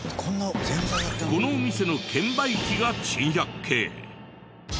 このお店の券売機が珍百景。